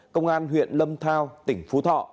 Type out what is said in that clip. công an huyện lâm thao tỉnh phú thọ